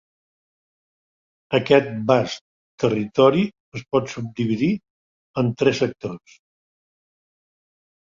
Aquest vast territori es pot subdividir en tres sectors.